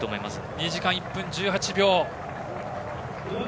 ２時間１分１８秒。